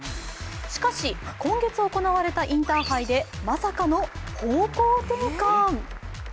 しかし、今月行われたインターハイでまさかの方向転換。